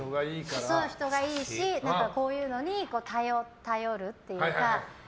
人がいいからこういうのに頼るっていうか。